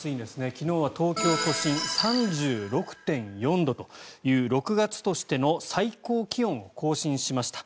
昨日は東京都心、３６．４度という６月としての最高気温を更新しました。